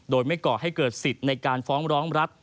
โดยไม่ก่อให้เกิดสิทธิ์ในการฟ้องร้องรัฐ